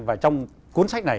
và trong cuốn sách này